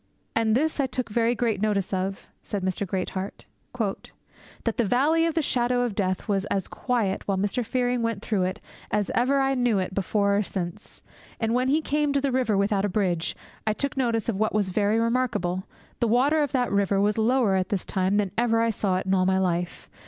'And this I took very great notice of,' said Mr. Greatheart, 'that the Valley of the Shadow of Death was as quiet while Mr. Fearing went through it as ever I knew it before or since; and when he came to the river without a bridge, I took notice of what was very remarkable; the water of that river was lower at this time than ever I saw it in all my life.